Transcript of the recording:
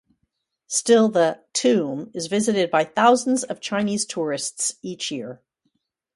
Still the "tomb" is visited by thousands of Chinese tourists each year.